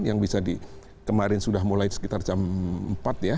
yang bisa di kemarin sudah mulai sekitar jam empat ya